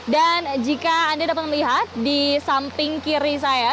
dan jika anda dapat melihat di samping kiri saya